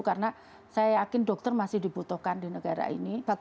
karena saya yakin dokter masih dibutuhkan di negara ini